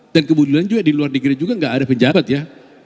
dan kebetulan juga di luar negeri juga tidak ada pejabat ya